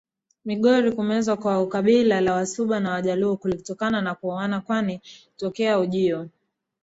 Migori Kumezwa kwa kabila la Wasuba na Wajaluo kulitokana na kuoana kwani tokea ujio